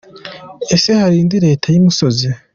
ese hari indi leta y’imusozi ?